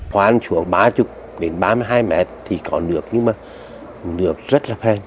khoa ăn xuống ba mươi ba mươi hai m thì có nước nhưng mà nước rất là phê